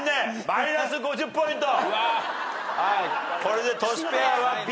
マイナス５０ポイント。